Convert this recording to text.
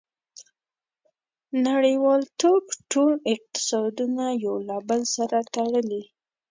• نړیوالتوب ټول اقتصادونه یو له بل سره تړلي.